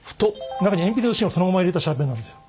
中に鉛筆の芯をそのまま入れたシャーペンなんですよ。